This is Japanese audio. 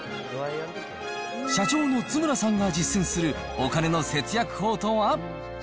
社長の津村さんが実践するお金の節約法とは。